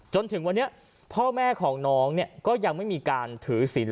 จนถึงวันนี้พ่อแม่ของน้องเนี่ยก็ยังไม่มีการถือศิลป